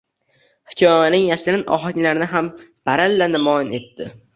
Hikoyaning yashirin ohanglarini ham baralla namoyon etdi.